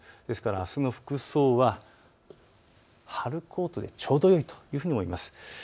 ですから、あすの服装は春コートでちょうどいいと思います。